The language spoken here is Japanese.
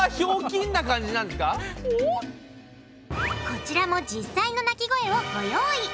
こちらも実際の鳴き声をご用意！